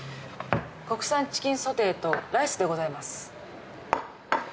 国産チキンソテーとライスでございます。